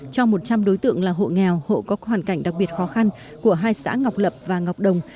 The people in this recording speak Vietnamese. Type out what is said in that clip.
cho một trăm linh đối tượng là hộ nghèo hộ có hoàn cảnh đặc biệt khó khăn của hai xã ngọc lập và ngọc đồng